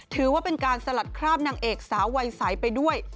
ถือว่าเป็นการสลัดคราบนางเอกสาววัยใสไปด้วย